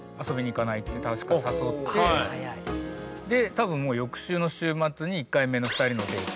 多分もう翌週の週末に１回目の２人のデート。